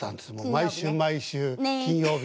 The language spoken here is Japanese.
毎週毎週金曜日。